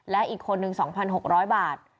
และอีกคนนึง๒๖๐๐บาท